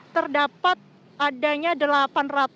terdapat adanya delapan ratus delapan puluh delapan produk masker